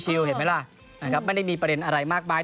เห็นไหมล่ะไม่มีประเด็นอะไรมากมาย